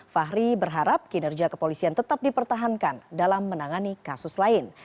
fahri berharap kinerja kepolisian tetap dipertahankan dalam menangani kasus lain